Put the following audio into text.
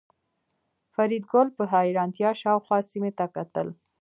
فریدګل په حیرانتیا شاوخوا سیمې ته کتل